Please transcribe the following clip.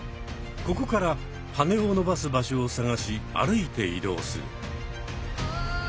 ここからはねをのばす場所を探し歩いて移動する。